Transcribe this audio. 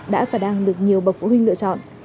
đã và đang được nhiều bậc phụ huynh lựa chọn